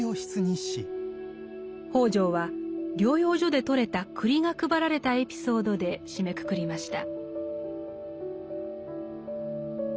北條は療養所で採れた栗が配られたエピソードで締めくくりました。